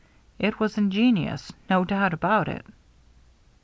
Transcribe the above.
It was ingenious — no doubt about it."